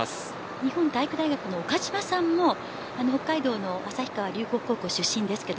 日本体育大学の岡島さんも北海道の旭川龍谷高校出身です。